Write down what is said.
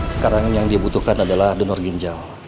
sekarang yang dibutuhkan adalah denur ginjal